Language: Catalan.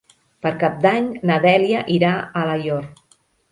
Per Cap d'Any na Dèlia irà a Alaior.